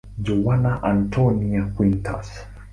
Joana Antónia Quintas.